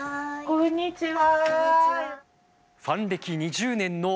こんにちは。